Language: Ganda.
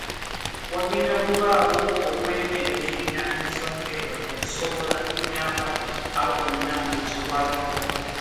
Wagenda kubaawo okwekennenya ensonga eno okusobola okuyamba abo bonna bekikwatako.